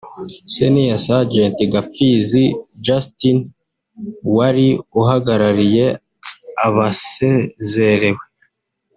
Senior Sergent Gapfizi Justin wari uhagarariye abasezerewe